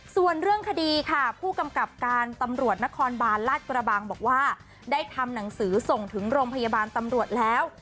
ส่วนเรื่องคดีค่ะผู้กำกับการตำรวจนครบาลลาดกระบังบอกว่าได้ทำหนังสือส่งถึงโรงพยาบาลตำรวจแล้ว